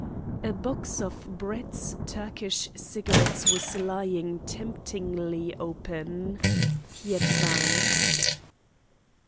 A box of Brett's Turkish cigarettes was lying temptingly open. He advanced.